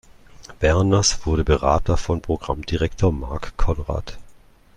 Berners wurde Berater von Programmdirektor Marc Conrad.